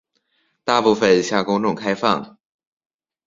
大部分向公众开放。